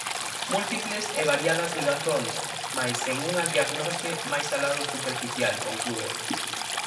Múltiples e variadas ligazóns, mais sen unha diagnose máis alá do superficial, conclúe.